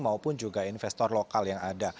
maupun juga investor lokal yang ada